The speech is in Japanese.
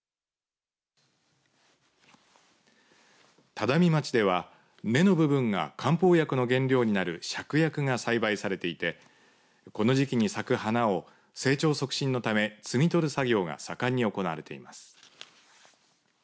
只見町では根の部分が漢方薬の原料になるシャクヤクが栽培されていてこの時期に咲く花を成長促進のため摘み取る作業が盛んに行われています。